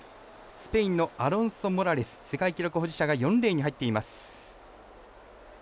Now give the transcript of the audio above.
スペインのアロンソモラレス世界記録保持者が４レーンに入っています。